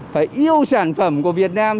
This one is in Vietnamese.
phải yêu sản phẩm của việt nam